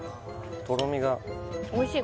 とろみがおいしい